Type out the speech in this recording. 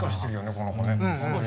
この子ね。